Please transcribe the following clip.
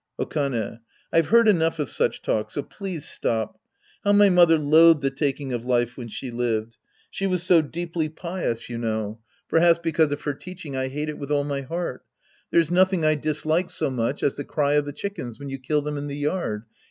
Okane. I've heard enough of such talk, so please stop. How my mother loathed the taking of life when she lived ! She was so deeply pious, you 24 The Priest and His Disciples Act I know. Perhaps because of her teaching, I hate it with all my heart. There's nothing I dislike so much as the cry of the chickens when you kill them in the yard.